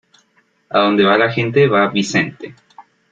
Adonde va la gente, va Vicente.